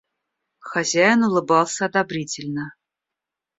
Хозяин улыбался одобрительно.